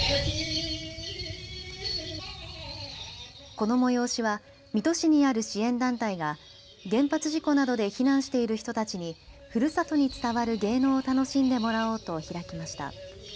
この催しは水戸市にある支援団体が原発事故などで避難している人たちにふるさとに伝わる芸能を楽しんでもらおうと開きました。